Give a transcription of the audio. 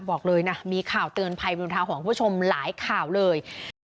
บอกเลยนะมีข่าวเตือนภัยบนทางของคุณผู้ชมหลายข่าวเลย